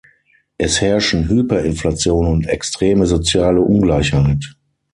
Es herrschen Hyperinflation und extreme soziale Ungleichheit.